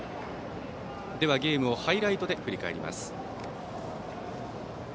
ではゲームをハイライトで振り返ります。